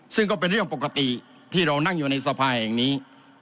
ซึ่งก็เป็นเรื่องปกติที่เรานั่งอยู่ในสภาแห่งนี้